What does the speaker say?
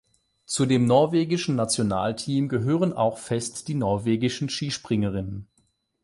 Zu dem norwegischen Nationalteam gehören auch fest die norwegischen Skispringerinnen.